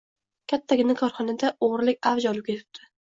Kattagina korxonada o`g`irlik avj olib ketibdi